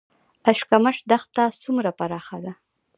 اشکمش دښته څومره پراخه ده؟